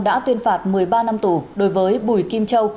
đã tuyên phạt một mươi ba năm tù đối với bùi kim châu